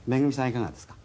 いかがですか？